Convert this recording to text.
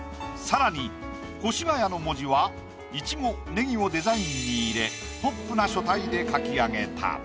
さらに「ＫＯＳＨＩＧＡＹＡ」の文字はイチゴネギをデザインに入れポップな書体で描き上げた。